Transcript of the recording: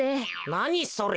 なにそれ。